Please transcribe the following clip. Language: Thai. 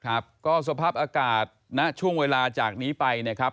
ครับก็สภาพอากาศณช่วงเวลาจากนี้ไปนะครับ